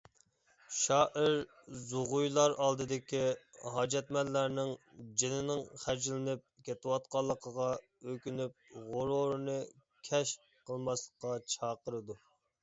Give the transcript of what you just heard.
شائىر زۇغۇيلار ئالدىدىكى ھاجەتمەنلەرنىڭ «جېنىنىڭ خەجلىنىپ» كېتىۋاتقانلىقىغا ئۆكۈنۈپ، «غۇرۇرىنى كەش» قىلماسلىققا چاقىرىدۇ.